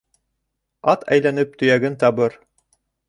Ат әйләнеп төйәген табыр